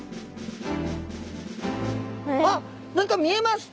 あっ何か見えます。